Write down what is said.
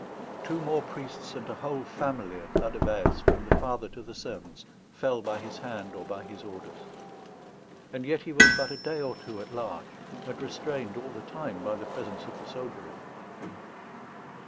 Two more priests and a whole family at Ladevèze, from the father to the servants, fell by his hand or by his orders; and yet he was but a day or two at large, and restrained all the time by the presence of the soldiery.